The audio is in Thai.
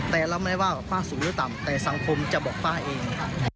แต่เราไม่ว่าป้าสูงหรือต่ำแต่สังคมจะบอกป้าเอง